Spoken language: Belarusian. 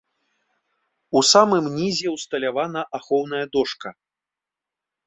У самым нізе ўсталявана ахоўная дошка.